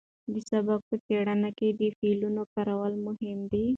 د سبک په څېړنه کې د فعلونو کارول مهم دي.